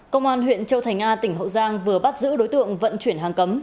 công an huyện châu thành a tỉnh hậu giang vừa bắt giữ đối tượng vận chuyển hàng cấm